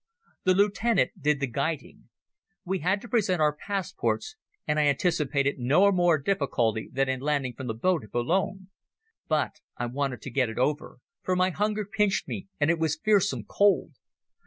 The lieutenant did the guiding. We had to present our passports, and I anticipated no more difficulty than in landing from the boat at Boulogne. But I wanted to get it over, for my hunger pinched me and it was fearsome cold.